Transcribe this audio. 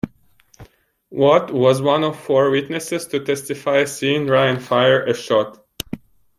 Watt was one of four witnesses to testify seeing Ryan fire a shot.